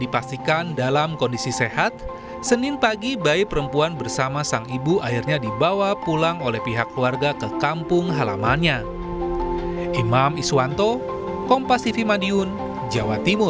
pada hari ini bayi perempuan bersama sang ibu akhirnya dibawa pulang oleh pihak keluarga ke kampung halamannya